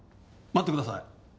待ってください。